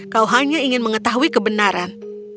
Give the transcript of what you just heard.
kau hanya ingin mengetahui kebenaran